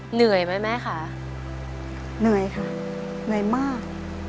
เหนื่อยไหมแม่ค่ะเหนื่อยค่ะเหนื่อยมาก